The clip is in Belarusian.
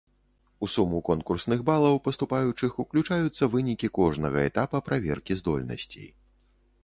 У суму конкурсных балаў паступаючых уключаюцца вынікі кожнага этапа праверкі здольнасцей.